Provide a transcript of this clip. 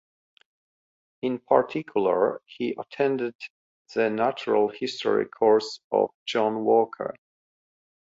In particular, he attended the natural history course of John Walker.